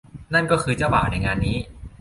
นั่นก็คือเจ้าบ่าวในงานนี้